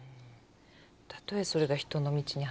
たとえそれが人の道に外れると。